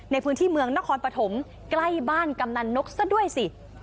ในพื้นที่เมืองนครปฐมใกล้บ้านกำนันนกซะด้วยสิ